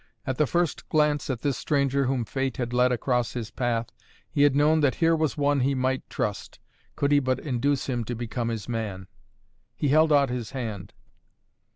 At the first glance at this stranger whom fate had led across his path, he had known that here was one he might trust, could he but induce him to become his man. He held out his hand.